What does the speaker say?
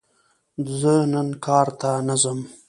زه نن کار ته نه ځم!